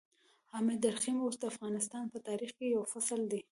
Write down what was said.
حامد درخيم اوس د افغانستان په تاريخ کې يو فصل دی.